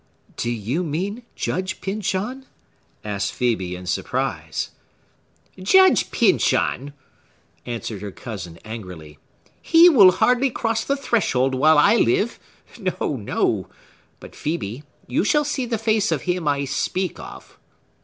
"Do you mean Judge Pyncheon?" asked Phœbe in surprise. "Judge Pyncheon!" answered her cousin angrily. "He will hardly cross the threshold while I live! No, no! But, Phœbe, you shall see the face of him I speak of."